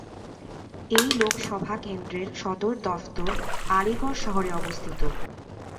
এই লোকসভা কেন্দ্রের সদর দফতর আলিগড় শহরে অবস্থিত।